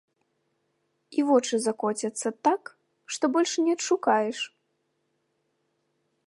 І вочы закоцяцца так, што больш не адшукаеш.